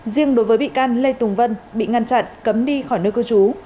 riêng đối với bị can lê tùng vân bị ngăn chặn cấm đi khỏi nơi cư trú